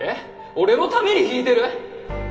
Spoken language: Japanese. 俺のために弾いてる？